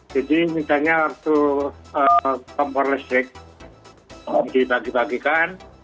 jadi misalnya waktu kompor listrik dibagi bagikan